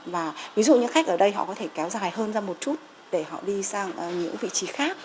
và ví dụ như khách ở đây họ có thể kéo dài hơn ra một chút để họ đi sang những vị trí khác